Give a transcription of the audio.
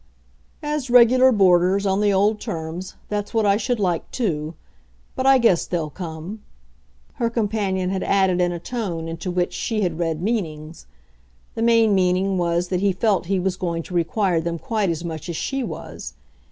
"As regular boarders, on the old terms that's what I should like too. But I guess they'll come," her companion had added in a tone into which she had read meanings. The main meaning was that he felt he was going to require them quite as much as she was.